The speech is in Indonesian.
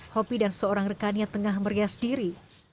hopi dan seorang rekannya tengah merias diri